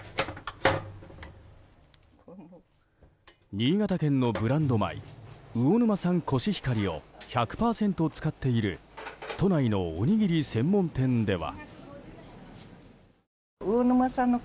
新潟県のブランド米魚沼産コシヒカリを１００％使っている都内のおにぎり専門店では。